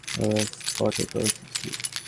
আমরা স্পটে পৌঁছেছি।